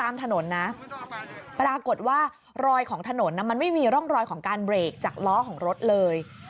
มันไม่มีร่องรอยของการเบรกจากล้อของรถเลย